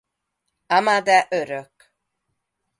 Amade örök.